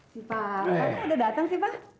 si pa kenapa udah datang si pa